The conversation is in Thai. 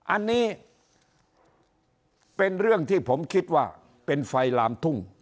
อันนี้เป็นเรื่องที่ผมคิดว่าเป็นไฟลามทุ่ง